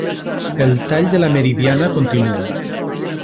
El tall de la Meridiana continua